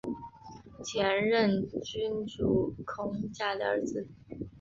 前任君主孔甲的儿子。